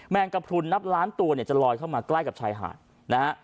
งกระพรุนนับล้านตัวเนี่ยจะลอยเข้ามาใกล้กับชายหาดนะฮะ